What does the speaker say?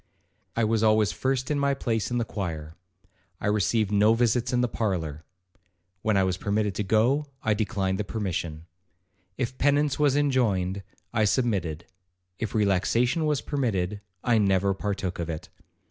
I was always first in my place in the choir. I received no visits in the parlour,—when I was permitted to go, I declined the permission. If penance was enjoined, I submitted; if relaxation was permitted, I never partook of it.